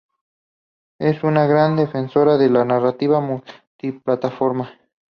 Es una gran defensora de la narrativa multiplataforma.